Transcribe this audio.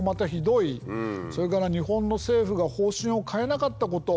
それから日本の政府が方針を変えなかったこと。